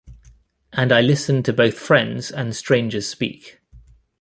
And I listen to both friends and strangers speak.